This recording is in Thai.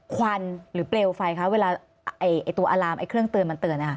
ควันหรือเปลวไฟคะเวลาตัวอารามไอเครื่องเตือนมันเตือนนะคะ